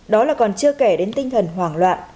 đó là còn chưa kể đến tinh thần hoảng loạn